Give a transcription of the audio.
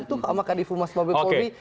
itu keamahkan difumas mobil polri